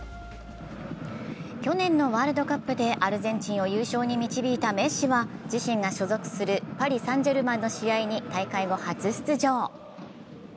去年のワールドカップでアルゼンチンを優勝に導いたメッシは自身が所属するパリ・サン＝ジェルマンの試合に大会後、初出場。